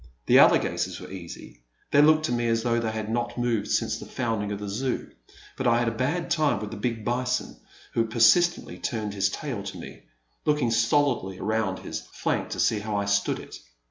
The alligators were easy ; they looked to me as though they had not moved since the founding of the Zoo, but I had a bad time with the big bison, who persistently turned his tail to me, looking stolidly around his flank to see how I stood it.